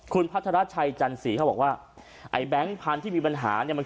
คุณพัทรชัยจันสีเขาบอกว่าไอ้แบงค์พันธุ์ที่มีปัญหาเนี่ย